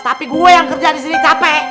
tapi gue yang kerja disini capek